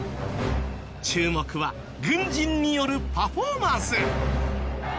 注目は軍人によるパフォーマンス。